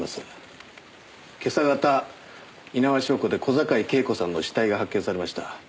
今朝方猪苗代湖で小坂井恵子さんの死体が発見されました。